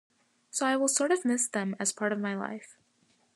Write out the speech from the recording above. So I will sort of miss them as part of my life.